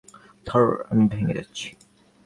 থর, আমি ভেঙে যাচ্ছি!